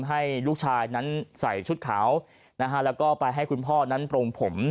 ให้ลูกชายนั้นใส่ชุดขาวนะฮะแล้วก็ไปให้คุณพ่อนั้นโปรงผม